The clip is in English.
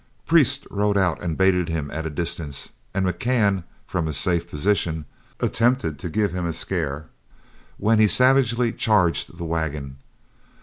Priest rode out and baited him at a distance, and McCann, from his safe position, attempted to give him a scare, when he savagely charged the wagon.